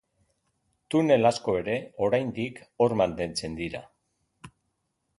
Tunel asko ere, oraindik hor mantentzen dira.